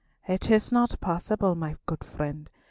"It is not possible, my good friend.